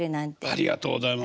ありがとうございます。